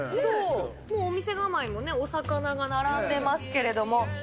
もうお店構えもね、お魚が並んでますけれども。